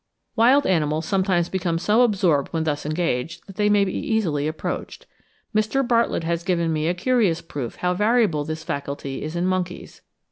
Wild animals sometimes become so absorbed when thus engaged, that they may be easily approached. Mr. Bartlett has given me a curious proof how variable this faculty is in monkeys.